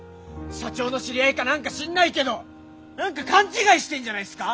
社長の知り合いか何か知んないけど何か勘違いしてんじゃないっすか？